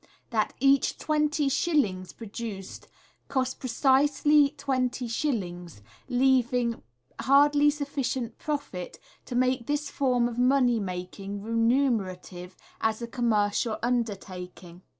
that each twenty shillings produced cost precisely twenty shillings, leaving hardly sufficient profit to make this form of money making remunerative as a commercial undertaking.